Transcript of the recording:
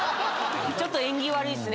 ちょっと縁起悪いっすね。